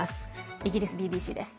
イギリスＢＢＣです。